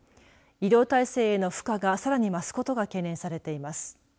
医療体制への負荷がさらに増すことが懸念されています。